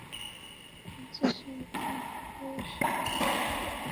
মোটাসোটা একজন মানুষ, পঞ্চাশের মতো বয়স।